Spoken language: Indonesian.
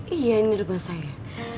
iya ini rumah saya